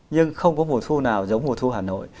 nhưng không có mùa thu nào giống mùa thu hà nội